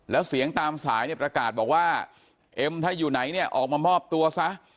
แล้วเสียงตามสายเนี่ยประกาศบอกว่าเอ็มถ้าอยู่ไหนเนี่ยออกมามอบตัวซะ